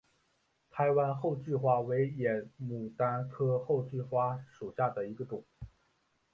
台湾厚距花为野牡丹科厚距花属下的一个种。